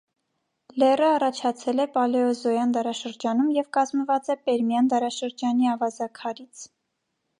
Լեռը առաջացել է պալեոզոյան դարաշրջանում և կազմված է պերմյան դարաշրջանի ավազաքարից։